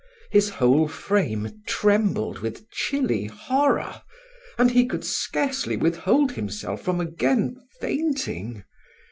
His whole frame trembled with chilly horror, and he could scarcely withhold himself from again fainting.